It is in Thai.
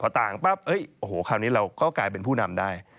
พอต่างปั๊บโอ้โหคราวนี้เราก็กลายเป็นผู้นำได้